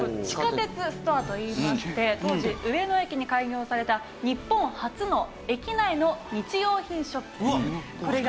地下鉄ストアと言いまして当時上野駅に開業された日本初の駅内の日用品ショップです。